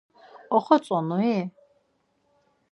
Oxotzonui?